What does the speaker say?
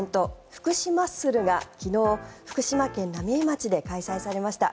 福島ッスルが昨日福島県浪江町で開催されました。